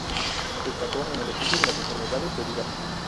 Destacó en el estudio de las enfermedades del hígado.